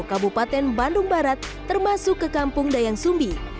kabupaten bandung barat termasuk ke kampung dayang sumbi